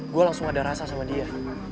gue langsung ada rasa sama dia